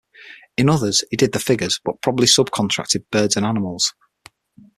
In others he did the figures but probably sub-contracted birds and animals.